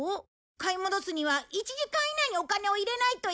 買い戻すには１時間以内にお金を入れないといけない。